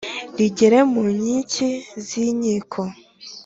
rigere mu nkiki z’inkiko